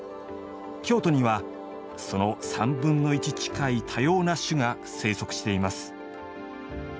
京都には、その３分の１近い多様な種が生息しています。